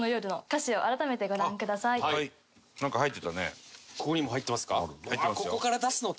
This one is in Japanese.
それではここにも入ってますか？